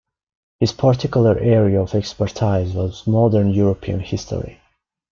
His particular area of expertise was modern European history.